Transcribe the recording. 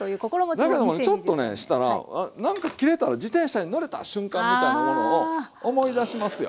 だけどもちょっとねしたらなんか切れたら自転車に乗れた瞬間みたいなものを思い出しますよ。